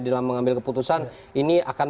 dalam mengambil keputusan ini akan